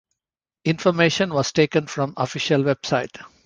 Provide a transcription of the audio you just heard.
Information was taken from official website.